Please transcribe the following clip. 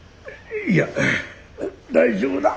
いや大丈夫だ。